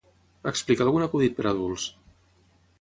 Explica algun acudit per a adults.